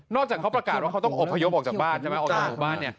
นอกจากเขาประกาศว่าเขาต้องอบพยพออกจากบ้าน